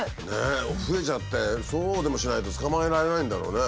増えちゃってそうでもしないと捕まえられないんだろうね。